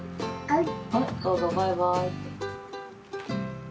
はい。